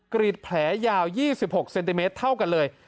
กรีดแผลยาว๒๖เซนติเมตรเท่ากันเลย